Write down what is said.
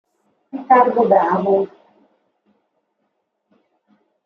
Ricardo Bravo